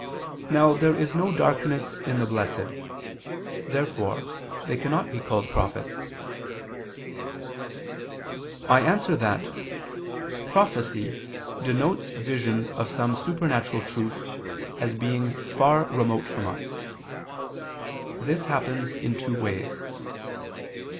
Now there is no darkness in the blessed. Therefore they cannot be called prophets. I answer that, Prophecy denotes vision of some supernatural truth as being far remote from us. This happens in two ways.